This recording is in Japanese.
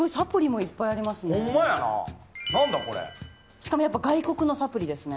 しかも外国のサプリですね。